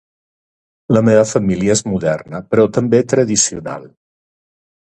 La meva família és moderna però també tradicional.